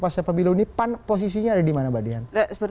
pasca pemilu ini pan posisinya ada di mana mbak dian